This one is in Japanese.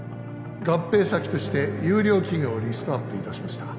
合併先として優良企業をリストアップいたしました